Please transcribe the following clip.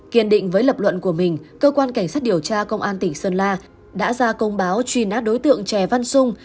kiên định với lập luận của mình cơ quan cảnh sát điều tra công an tỉnh sơn la đã ra công báo truy nã đối tượng trẻ văn sung